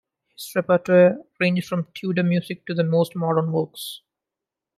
His repertoire ranged from Tudor music to the most modern works.